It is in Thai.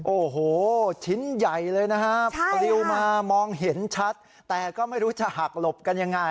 โอ้โหชิ้นใหญ่เลยนะครับปลิวมามองเห็นชัดแต่ก็ไม่รู้จะหักหลบกันยังไง